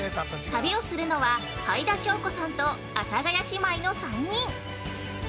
◆旅をするのは、はいだしょうこさんと、阿佐ヶ谷姉妹の３人。